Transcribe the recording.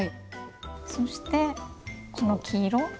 そしてこの黄色。